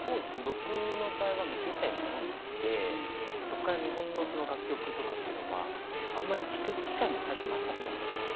僕の場合は１０歳で日本に来てそこから日本の楽曲とかっていうのをまああんまり聴く機会も最初なかったんですよ。